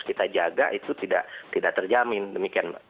yang kita jaga itu tidak terjamin demikian